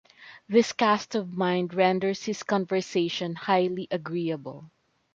This cast of mind renders his conversation highly agreeable.